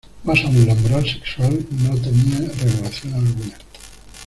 Más aún, la moral sexual no tenía regulación alguna.